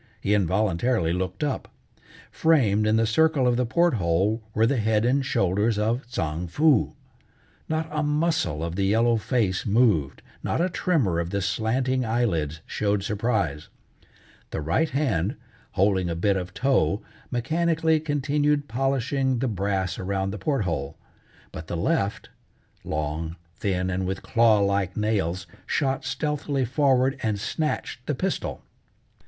He involuntarily looked up. Framed in the circle of the port hole were the head and shoulders of Tsang Foo. Not a muscle of the yellow face moved, not a tremor of the slanting eyelids showed surprise. The right hand, holding a bit of tow, mechanically continued polishing the brass around the port hole, but the left long, thin, and with claw like nails, shot stealthily forward and snatched the pistol.